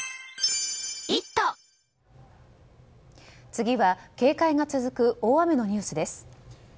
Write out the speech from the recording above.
次は警戒が続く大雨のニュースです。